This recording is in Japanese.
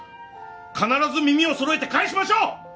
必ず耳を揃えて返しましょう！